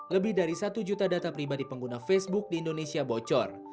lebih dari satu juta data pribadi pengguna facebook di indonesia bocor